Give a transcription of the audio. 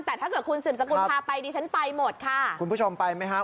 แต่ถ้าเกิดคุณสืบสกุลพาไปดิฉันไปหมดค่ะคุณผู้ชมไปไหมฮะ